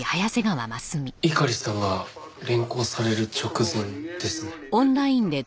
猪狩さんが連行される直前ですね。